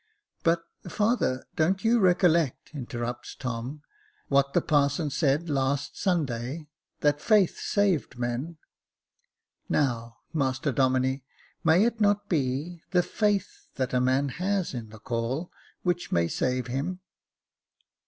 " But, father, don't you recollect," interrupted Tom, " what the parson said last Sunday, that faith saved men ? Now, Master Domine, may it not be the faith that a man has in the caul which may save him